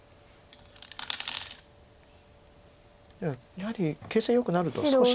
やはり形勢よくなると少し。